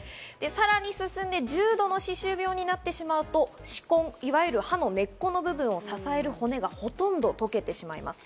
さらに進んで重度の歯周病になってしまうと、歯根、いわゆる歯の根っこの部分を支える骨がほとんど溶けてしまいます。